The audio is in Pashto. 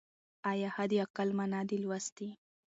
او یا حد اقل ما نه دی لوستی .